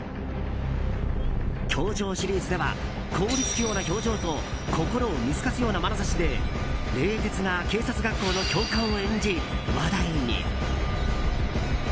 「教場」シリーズでは凍りつくような表情と心を見透かすようなまなざしで冷徹な警察学校の教官を演じ話題に。